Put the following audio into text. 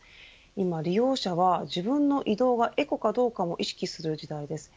今、利用者は自分の移動はエコかどうかを意識する時代です。